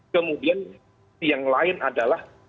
kemudian yang lain adalah